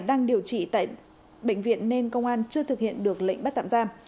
đang điều trị tại bệnh viện nên công an chưa thực hiện được lệnh bắt tạm giam